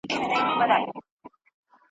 پر دې ستړو رباتونو کاروانونه به ورکیږي !.